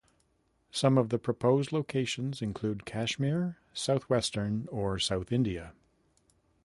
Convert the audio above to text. Some of the proposed locations include Kashmir, Southwestern or South India.